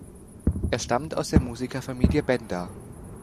Er stammt aus der Musikerfamilie Benda.